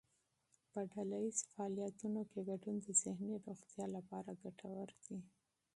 په ډلهییز فعالیتونو کې ګډون د ذهني روغتیا لپاره ګټور دی.